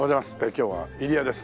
今日は入谷です。